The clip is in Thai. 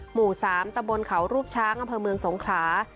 หมู่๓ตะบนเขารูปช้างอำเภอเมืองสงขลา